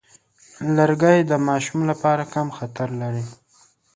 لرګی د ماشوم لپاره کم خطر لري.